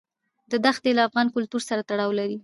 دا دښتې له افغان کلتور سره تړاو لري.